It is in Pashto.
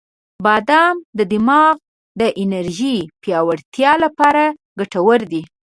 • بادام د دماغ د انرژی پیاوړتیا لپاره ګټور دی.